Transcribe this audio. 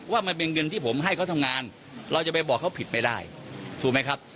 ว่ามันเป็นเงินที่ผมให้เขาทำงานเราจะไปบอกเขาผิดไม่ได้ถูกไหมครับ